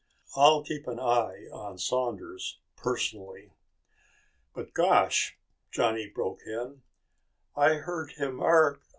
I'll keep an eye on Saunders personally." "But, gosh," Johnny broke in, "I heard him arg...."